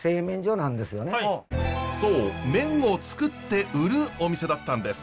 そう麺をつくって売るお店だったんです。